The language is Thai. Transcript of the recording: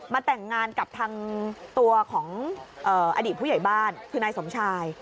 แต่งงานกับทางตัวของอดีตผู้ใหญ่บ้านคือนายสมชาย